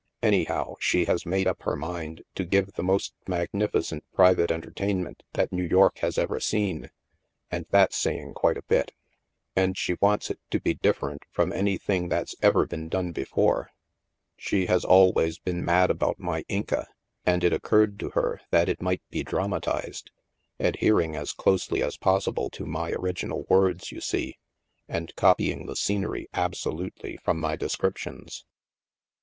Anyhow, she has made up her mind to give the most magnificent private enter tainment that New York has ever seen — and that's saying quite a bit. And she wants it to be different from any thing that's ever been done. She has al ways been mad about my * Inca,' and it occurred to her that it might be dramatized — adhering as closely as possible to my original words, you see, and copying the scenery absolutely from my descrip tions.